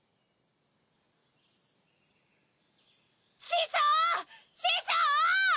・師匠師匠！